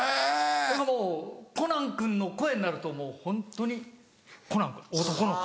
それがもうコナン君の声になるともうホントにコナン男の子。